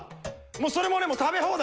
それもね食べ放題！